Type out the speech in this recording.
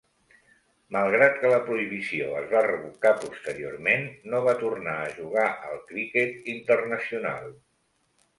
Malgrat que la prohibició es va revocar posteriorment, no va tornar a jugar al criquet internacional.